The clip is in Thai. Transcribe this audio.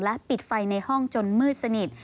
ปิดไฟในห้องจนมืดสนิท